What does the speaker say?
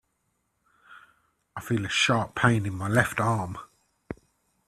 I feel a sharp pain in my left arm.